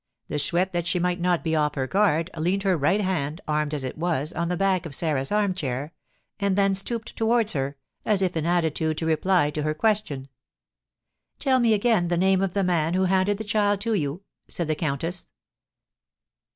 The Chouette, that she might not be off her guard, leaned her right hand, armed as it was, on the back of Sarah's armchair, and then stooped towards her, as if in attitude to reply to her question. "Tell me again the name of the man who handed the child to you?" said the countess.